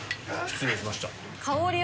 失礼しました。